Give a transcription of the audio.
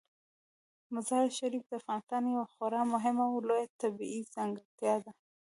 مزارشریف د افغانستان یوه خورا مهمه او لویه طبیعي ځانګړتیا ده.